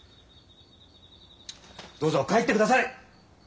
どうぞ帰ってください！